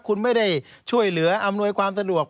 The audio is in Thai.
คุณไม่ได้ช่วยเหลืออำนวยความสะดวก